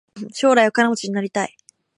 将来お金持ちになりたい。